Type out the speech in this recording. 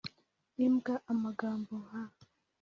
imbwa amagambo nka